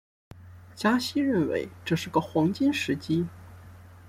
加西认为这是个黄金时机。